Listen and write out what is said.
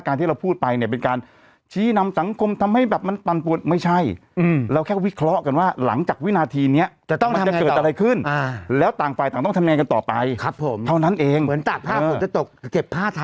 ครับผมเท่านั้นเองเหมือนจับผ้าขนเต็ดตกเก็บผ้าถันนะครับ